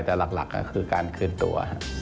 แต่หลักก็คือการคืนตัว